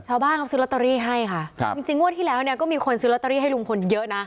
ชาวบ้านเขาซื้อลอตเตอรี่ให้ค่ะครับจริงจริงงวดที่แล้วเนี่ยก็มีคนซื้อลอตเตอรี่ให้ลุงพลเยอะนะ